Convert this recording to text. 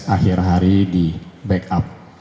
akhir hari di backup